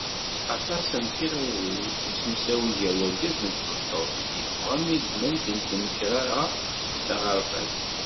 Aṭas n tiɣriwin i usemsawi gar urgaz d tmeṭṭut i d-yeffɣen i lmend n tnekkra-a taɣerfant.